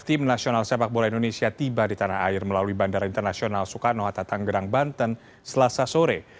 tim nasional sepak bola indonesia tiba di tanah air melalui bandara internasional soekarno hatta tanggerang banten selasa sore